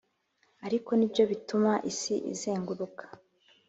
ariko nibyo bituma isi izenguruka